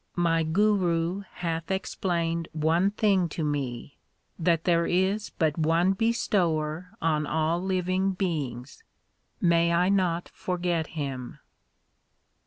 My Guru hath explained one thing to me That there is but one Bestower on all living beings ; may I not forget Him